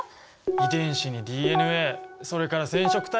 遺伝子にＤＮＡそれから染色体かあ。